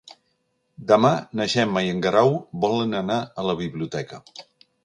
Demà na Gemma i en Guerau volen anar a la biblioteca.